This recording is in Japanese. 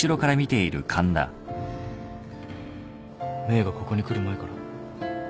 メイがここに来る前から？